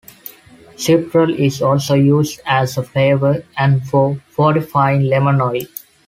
Citral is also used as a flavor and for fortifying lemon oil.